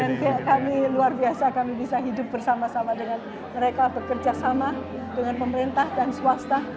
dan kami luar biasa kami bisa hidup bersama sama dengan mereka bekerja sama dengan pemerintah dan swasta